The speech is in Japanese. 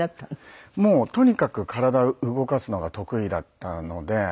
もうとにかく体動かすのが得意だったので。